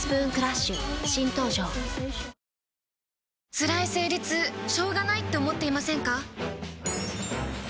つらい生理痛しょうがないって思っていませんか？